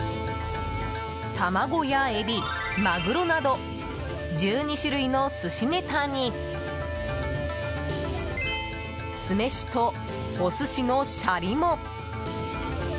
卵やエビ、マグロなど１２種類の寿司ネタに酢飯と、お寿司のシャリも。